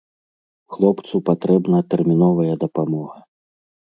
Хлопцу патрэбна тэрміновая дапамога.